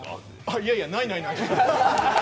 いやいや、ないない。